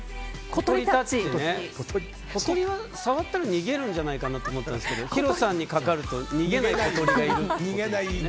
小鳥は触ったら逃げるんじゃないかなと思うけどヒロさんにかかると逃げない小鳥がいると。